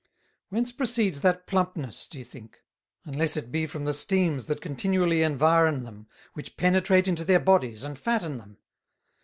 Whence proceeds that Plumpness, d'ye think, unless it be from the Steams that continually environ them, which penetrate into their Bodies and fatten them?